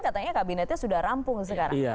katanya kabinetnya sudah rampung sekarang